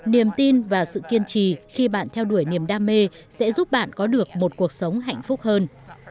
niềm tin và sự kiên trì khi bạn theo đuổi niềm đam mê sẽ giúp bạn có được một cuộc sống hạnh phúc hơn